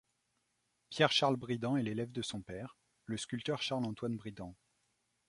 Pierre-Charles Bridan est l'élève de son père, le sculpteur Charles-Antoine Bridan.